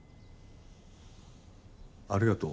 ありがとう。